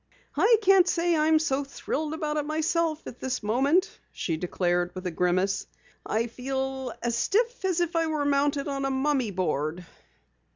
"I can't say I'm so thrilled about it myself at the moment," she declared with a grimace. "I feel as stiff as if I were mounted on a mummy board!"